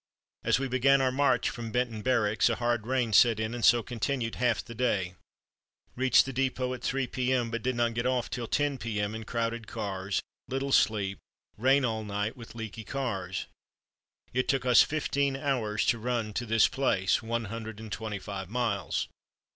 As we began our march from Benton Barracks a hard rain set in and so continued half the day. Reached the dépôt at 3 P.M., but did not get off till 10 P.M., in crowded cars, little sleep, rain all night, with leaky cars. It took us fifteen hours to run to this place, one hundred and twenty five miles.